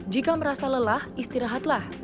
jika merasa lelah istirahatlah